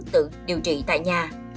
tự điều trị tại nhà